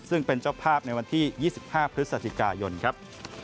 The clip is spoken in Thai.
ซึ่งเป็นเจ้าภาพในวันที่๒๕พฤศจิกายนครับ